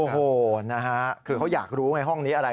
โอ้โหนะฮะคือเขาอยากรู้ไงห้องนี้อะไร